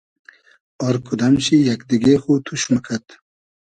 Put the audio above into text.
آر کودئم شی یئگ دیگې خو توش موکئد